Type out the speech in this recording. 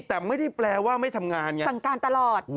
แต่ไม่ได้แปลว่าไม่ทำงานไงสั่งการตลอด